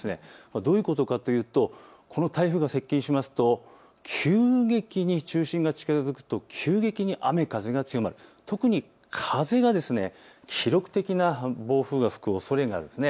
どういうことかというとこの台風が接近しますと急激に中心が近づくと急激に雨風が強まって特に風が、記録的な暴風が吹くおそれがあります。